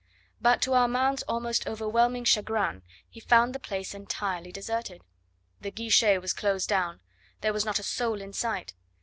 But to Armand's almost overwhelming chagrin he found the place entirely deserted. The guichet was closed down; there was not a soul in sight.